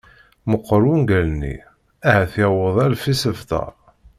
Meqqer wungal-nni, ahat yewweḍ alef isebtar.